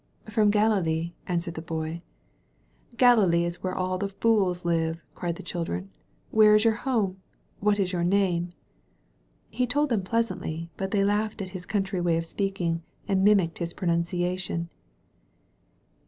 "Prom Galilee," answered the Boy. "Galilee is where all the fools live," cried the children. "Where is your home? What is your name?" He told them pleasantly, but they laughed at his country way of speaking and mimicked his pronunciation.